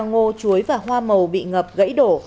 ngô chuối và hoa màu bị ngập gãy đổ